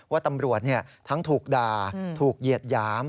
ว่าตำรวจทั้งถูกด่าถูกเหยียดหยาม